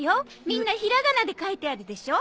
みんなひらがなで書いてあるでしょ？